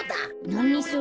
なにそれ？